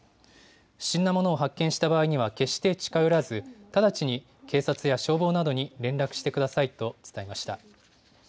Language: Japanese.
不審なものを発見した場合には決して近寄らず、直ちに警察や消防などに連絡してくださいと伝えました。